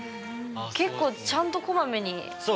結構ちゃんとこまめに。